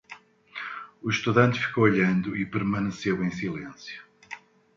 O estudante ficou olhando e permaneceu em silêncio.